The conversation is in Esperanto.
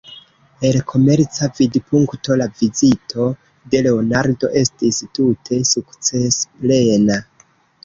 El komerca vidpunkto la vizito de Leonardo estis tute sukcesplena.